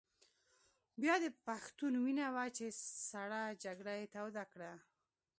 بیا د پښتون وینه وه چې سړه جګړه یې توده کړه.